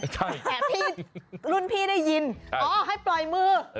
แต่พี่รุ่นพี่ได้ยินอ๋อให้ปล่อยมือ